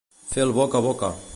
Fer el boca a boca.